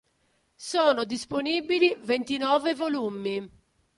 Sono disponibili ventinove volumi.